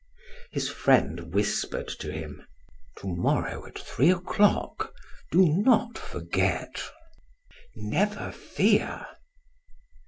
His friend whispered to him: "To morrow at three o'clock; do not forget." "Never fear!"